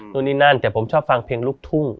นู่นนี่นั่นแต่ผมชอบฟังเพลงลูกทุ่ง